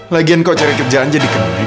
lagian kok cari kerjaan jadi kembali